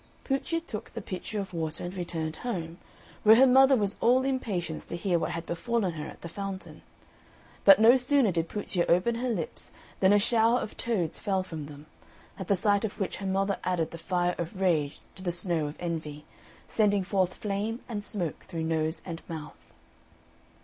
Puccia took the pitcher of water and returned home, where her mother was all impatience to hear what had befallen her at the fountain. But no sooner did Puccia open her lips, than a shower of toads fell from them, at the sight of which her mother added the fire of rage to the snow of envy, sending forth flame and smoke through nose and mouth.